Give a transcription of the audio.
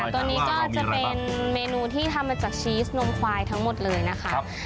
ตัวนี้ก็จะเป็นเมนูที่ทำมาจากชีสนมควายทั้งหมดเลยนะคะ